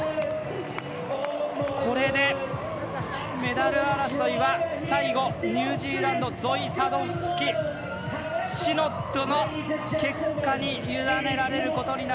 これでメダル争いは最後、ニュージーランドゾイ・サドフスキシノットの結果にゆだねられます。